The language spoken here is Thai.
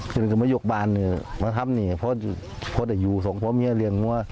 ก็เลยมายกบานมาทำนี่เพราะอยู่ส่งพ่อเมียเรียงมัว